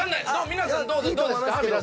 皆さんどうですか？